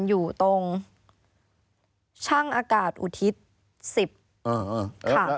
อยู่ตรงช่างอากาศอุทิศ๑๐ค่ะ